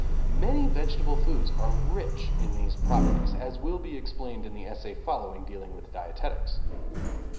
Many vegetable foods are rich in these properties, as will be explained in the essay following dealing with dietetics.